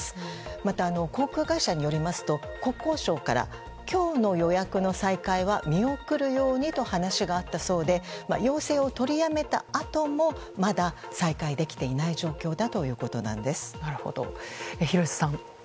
また航空会社によりますと国交省から今日の予約の再開は見送るようにと話があったそうで要請を取りやめたあともまだ再開できていない廣瀬さん。